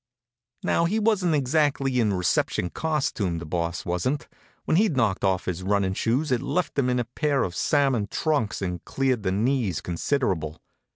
Now he wasn't exactly in reception costume, the Boss wasn't. When he'd knocked off his runnin' shoes it left him in a pair of salmon trunks that cleared the knees considerable.